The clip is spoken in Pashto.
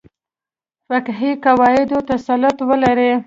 فقهي قواعدو تسلط ولري.